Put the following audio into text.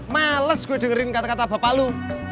males gue dengerin kata kata bapak lu